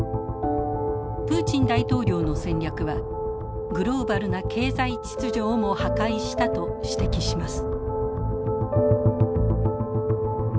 プーチン大統領の戦略はグローバルな経済秩序をも破壊したと指摘します。